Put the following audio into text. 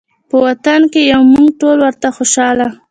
په وطن کې یو مونږ ټول ورته خوشحاله